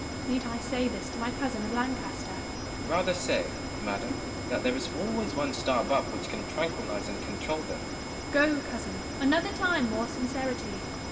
Need I say this to my cousin of Lancaster ? Gaunt. Rather say, madam, that there is always one star above which can tranquillise and control them. Joanna. Go, cousin ! another time more sincerity